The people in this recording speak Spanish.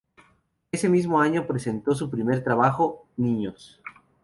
Ese mismo año presentó su primer trabajo, "Niños".